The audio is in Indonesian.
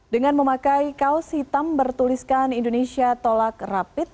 dengan memakai kaos hitam bertuliskan indonesia tolak rapid